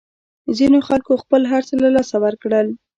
ځینو خلکو خپل هرڅه له لاسه ورکړل.